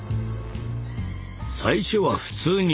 最初は普通に戦う。